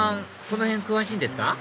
この辺詳しいんですか？